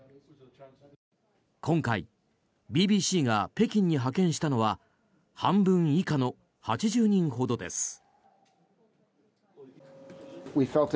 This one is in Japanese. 今回、ＢＢＣが北京に派遣したのは半分以下の８０人ほどです。